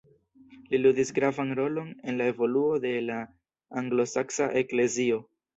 Li ludis gravan rolon en la evoluo de la anglosaksa eklezio.